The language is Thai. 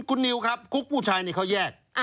คุณนิวครับคุกผู้ชายนี่เขาแยก